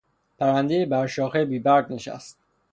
پرندهای بر شاخهی بیبرگ نشست.